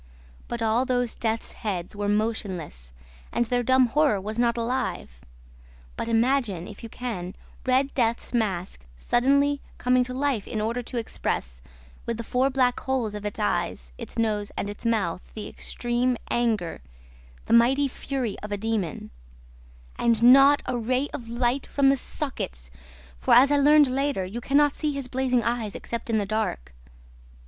But all those death's heads were motionless and their dumb horror was not alive. But imagine, if you can, Red Death's mask suddenly coming to life in order to express, with the four black holes of its eyes, its nose, and its mouth, the extreme anger, the mighty fury of a demon; AND NOT A RAY OF LIGHT FROM THE SOCKETS, for, as I learned later, you can not see his blazing eyes except in the dark.